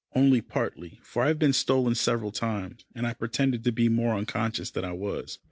Only partly, for I have been stolen several times, and I pretended to be more unconscious than I was.